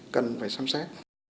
cần phải xem xét